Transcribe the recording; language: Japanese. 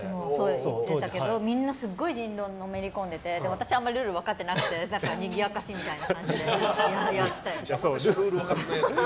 行ってたけど、みんなすごい人狼にのめりこんでて私あんまりルール分かってなくてにぎやかしみたいな。